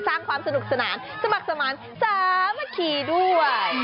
สร้างความสนุกสนานสมัครสมัครสาวเมื่อกี้ด้วย